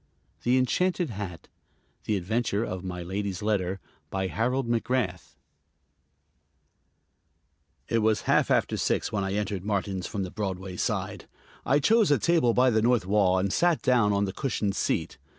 THE ENCHANTED HAT The Adventure of My Lady's Letter BY HAROLD MACGRATH It was half after six when I entered Martin's from the Broadway side. I chose a table by the north wall and sat down on the cushioned seat.